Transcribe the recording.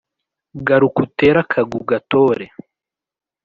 Garuk'uter'akag'ugatore